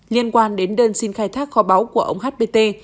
liên quan đến đơn xin khai thác kho báu của ông hpt